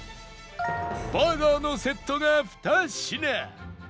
バーガーのセットが２品